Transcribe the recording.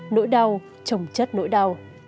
nỗi đau trổng chất nỗi đau